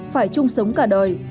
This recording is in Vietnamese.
phải chung sống cả đời